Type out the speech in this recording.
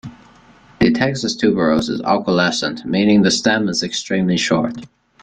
The Texas tuberose is acaulescent, meaning the stem is extremely short.